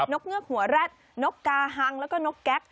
กเงือกหัวแร็ดนกกาฮังแล้วก็นกแก๊ก